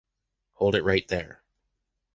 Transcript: Hold it right there!